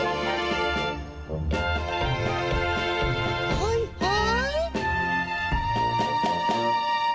はいはい。